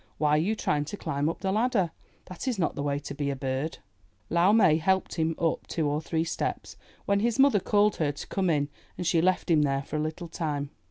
Why are you trying to climb up the ladder? That is not the way to be a bird." Lau Mai helped him up two or three steps, when his mother called her to come in, and she left him there for a little time.